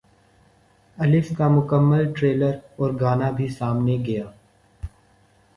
الف کا مکمل ٹریلر اور گانا بھی سامنے گیا